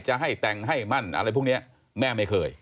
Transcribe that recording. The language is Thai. จะให้แต่งให้มั่นอะไรพวกนี้แม่ไม่เคย